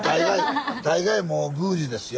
大概もう宮司ですよ。